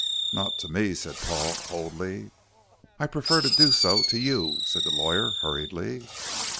"Not to me," said Paul, coldly. "I prefer to do so to you," said the lawyer, hurriedly.